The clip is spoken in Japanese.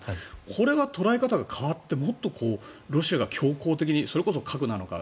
これは捉え方が変わってもっとロシアが強硬的にそれこそ核なのか